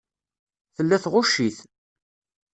Tella tɣucc-it.